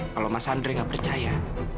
kalau mas andri gak percaya